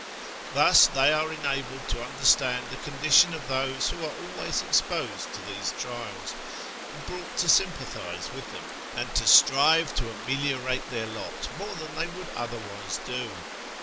Thus they are enabled to understand the condition of those who are always exposed to these trials, and brought to sympathise with them and to strive to ameliorate their lot more than they would otherwise do.